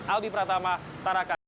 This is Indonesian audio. aldi pratama tarakan